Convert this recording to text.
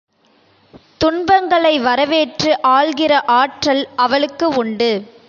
துன்பங்களை வரவேற்று ஆள்கிற ஆற்றல் அவளுக்கு உண்டு.